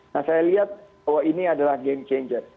nah saya lihat bahwa ini adalah game changer